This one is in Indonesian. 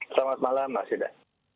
selamat malam mas ida